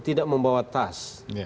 tidak membawa tas